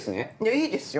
いいですよ。